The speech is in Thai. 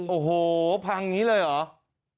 โอ้โหพังนี้เลยเหรอ